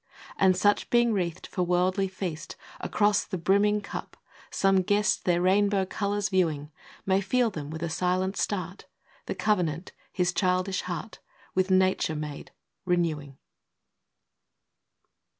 And such being wreathed for worldly feast, Across the brimming cup some guest Their rainbow colors viewing, May feel them, — with a silent start, — The covenant, his childish heart With nature made, — renewing.